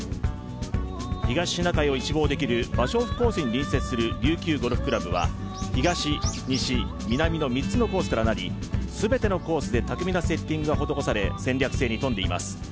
東シナ海を一望できる芭蕉布コースに隣接する琉球ゴルフ倶楽部は東、西、南の３つのコースからなり全てのコースで巧みなセッティングが施され戦略性に富んでいます。